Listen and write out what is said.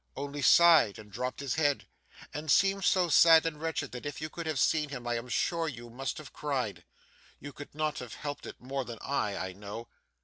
'Only sighed, and dropped his head, and seemed so sad and wretched that if you could have seen him I am sure you must have cried; you could not have helped it more than I, I know.